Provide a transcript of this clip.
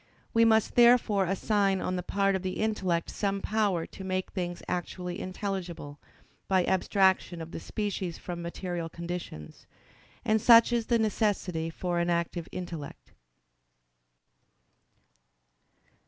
We must therefore assign on the part of the intellect some power to make things actually intelligible, by abstraction of the species from material conditions. And such is the necessity for an active intellect.